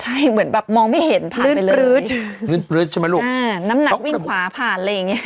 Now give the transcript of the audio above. ใช่เหมือนแบบมองไม่เห็นผ่านไปเลยลื้นปลื๊ดลื้นปลื๊ดใช่ไหมลูกอ่าน้ำหนักวิ่งขวาผ่านอะไรอย่างนี้